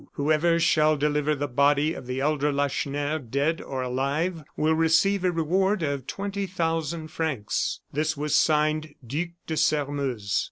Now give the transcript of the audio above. Whoever shall deliver the body of the elder Lacheneur, dead or alive, will receive a reward of twenty thousand francs." This was signed Duc de Sairmeuse.